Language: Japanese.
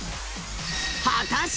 果たして。